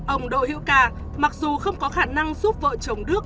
ông đỗ hữu ca mặc dù không có khả năng giúp vợ chồng đức